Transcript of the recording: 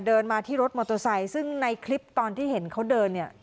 เดินมาที่รถมอเตอร์ไซค์ซึ่งในคลิปตอนที่เห็นเขาเดินเนี่ย